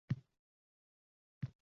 ishlarda baraka ham bo‘lmaydi...»